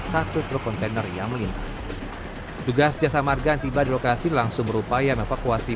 satu truk kontainer yang melintas tugas jasa marga yang tiba di lokasi langsung berupaya mevakuasi